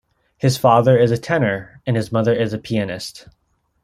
His father is a tenor, and his mother is a pianist.